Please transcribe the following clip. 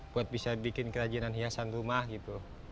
buat bisa bikin kerajinan hiasan rumah gitu